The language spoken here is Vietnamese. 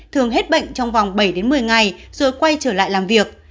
thường hết bệnh trong vòng bảy đến một mươi ngày rồi quay trở lại làm việc